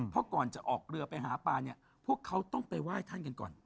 เพราะก่อนจะออกเรือไปหาปลาเนี่ยพวกเขาต้องไปไหว้ท่านกันก่อน